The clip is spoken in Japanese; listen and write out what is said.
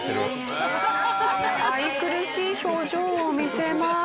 愛くるしい表情を見せます。